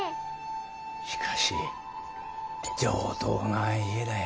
しかし上等な家だい。